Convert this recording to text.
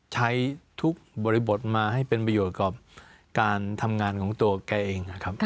ใช้ทุกบริบทมาให้เป็นประโยชน์กับการทำงานของตัวแกเองนะครับ